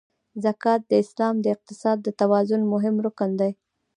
زکات د اسلام د اقتصاد د توازن مهم رکن دی.